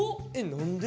何で？